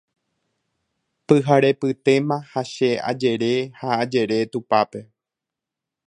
Pyharepytéma ha che ajere ha ajere tupápe